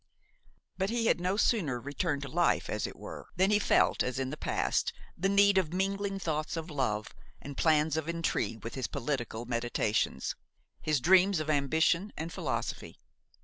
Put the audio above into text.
But he had no sooner returned to life, as it were, than he felt, as in the past, the need of mingling thoughts of love and plans of intrigue with his political meditations, his dreams of ambition and philosophy.